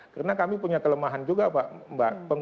karena kami punya kelemahan juga mbak